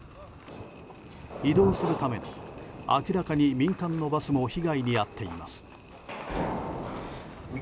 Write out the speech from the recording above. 移動するための明らかに民間のバスも被害に遭っています。